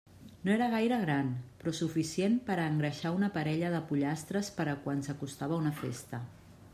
No era gaire gran, però suficient per a engreixar una parella de pollastres per a quan s'acostava una festa.